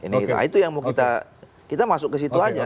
nah itu yang mau kita masuk ke situ aja